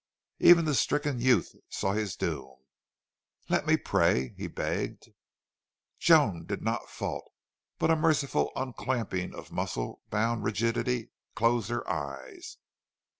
Even the stricken youth saw his doom. "Let me pray!" he begged. Joan did not fault, but a merciful unclamping of muscle bound rigidity closed her eyes.